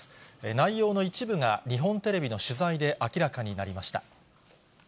内容の一部が日本テレビの取材で明らかになりました。